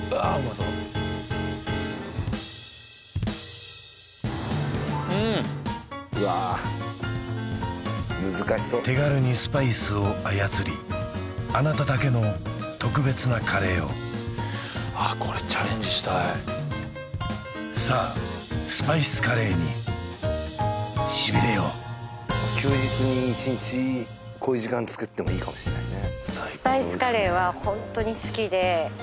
そううんうわ難しそう手軽にスパイスを操りあなただけの特別なカレーをあっこれチャレンジしたいさあスパイスカレーにしびれよう休日に一日こういう時間つくってもいいかもしんないね